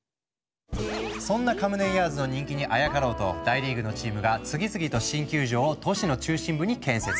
そんなカムデンヤーズの人気にあやかろうと大リーグのチームが次々と新球場を都市の中心部に建設。